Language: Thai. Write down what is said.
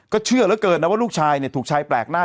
เชื่อเหลือเกินนะว่าลูกชายถูกชายแปลกหน้า